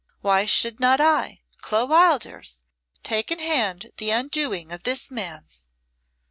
Why should not I, Clo Wildairs, take in hand the undoing of this man's?"